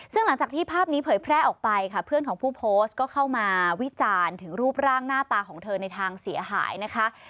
ซึ่งหลังจากที่ภาพนี้เผยแพร่ออกไปค่ะเพื่อนของผู้โพสต์ก็เข้ามาวิจารณ์ถึงรูปร่างหน้าตาของเธอในทางเสียหายนะคะ